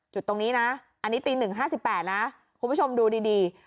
จุดตรงนี้นะอันนี้ตีหนึ่งห้าสิบแปดนะคุณผู้ชมดูดี